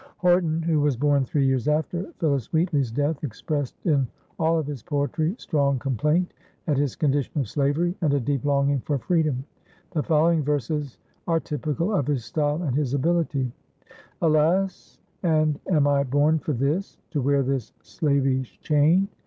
Horton, who was born three years after Phillis Wheatley's death, expressed in all of his poetry strong complaint at his condition of slavery and a deep longing for freedom. The following verses are typical of his style and his ability: "Alas! and am I born for this, To wear this slavish chain?